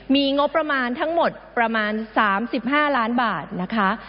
มีงบประมาณทั้งหมดประมาณ๓๕ล้านบาทนะคะ